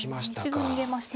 一度逃げましたね。